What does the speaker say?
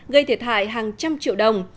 gây thiệt hại hàng trăm triệu đồng